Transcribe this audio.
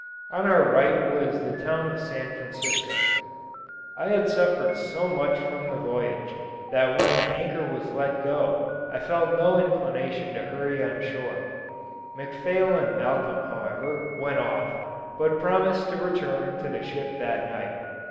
On our right was the town of San Francisco. I had suffered so much from the voyage, that when the anchor was let go I felt no inclination to hurry on shore. McPhail and Malcolm, however, went off, but promised to return to the ship that night.